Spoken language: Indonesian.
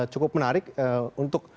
cukup menarik untuk